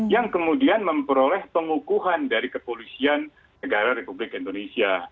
yang kemudian memperoleh pengukuhan dari kepolisian negara republik indonesia